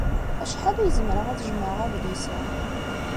Acḥal ay zemreɣ ad jemɛeɣ adlis-a?